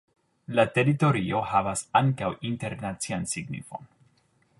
La teritorio havas ankaŭ internacian signifon.